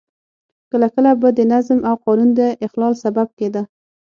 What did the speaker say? کله کله به د نظم او قانون د اخلال سبب کېده.